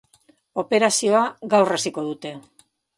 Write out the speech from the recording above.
Operazioa gaur hasiko dute.